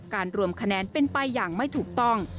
รวมคะแนนเป็นไปอย่างไม่ถูกต้อง